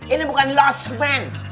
ini bukan lost man